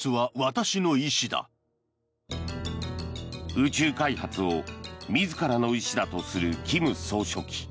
宇宙開発を自らの意志だとする金総書記。